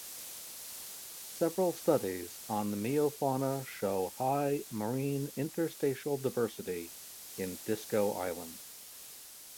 Several studies on the meiofauna show high marine interstitial diversity in Disko Island.